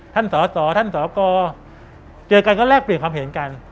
ท่านสอสอท่านสกเจอกันก็แลกเปลี่ยนความเห็นกัน